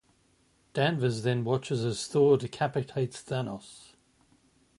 Danvers then watches as Thor decapitates Thanos.